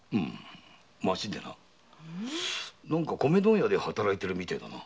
街でな米問屋で働いてるみてえだな。